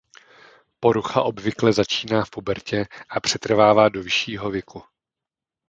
Porucha obvykle začíná v pubertě a přetrvává do vyššího věku.